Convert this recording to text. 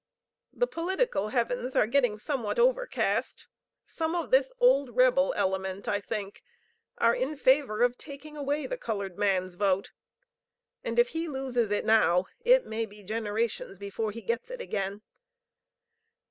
"The political heavens are getting somewhat overcast. Some of this old rebel element, I think, are in favor of taking away the colored man's vote, and if he loses it now it may be generations before he gets it again.